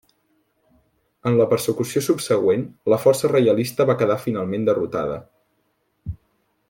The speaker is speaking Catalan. En la persecució subsegüent, la força reialista va quedar finalment derrotada.